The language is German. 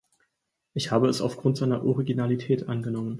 Ich habe es aufgrund seiner Originalität angenommen.